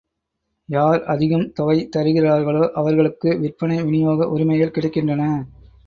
யார் அதிகம் தொகை தருகிறார்களோ அவர்களுக்கு விற்பனை விநியோக உரிமைகள் கிடைக்கின்றன.